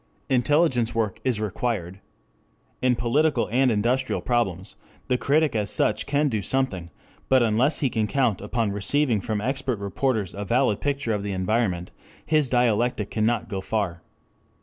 Intelligence work is required. In political and industrial problems the critic as such can do something, but unless he can count upon receiving from expert reporters a valid picture of the environment, his dialectic cannot go far.